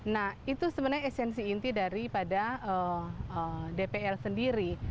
nah itu sebenarnya esensi inti daripada dpr sendiri